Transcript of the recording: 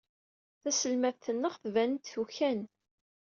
Taselmadt-nneɣ tban-d tukan.